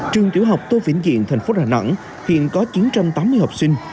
trường tiểu học tô vĩnh diện thành phố đà nẵng hiện có chín trăm tám mươi học sinh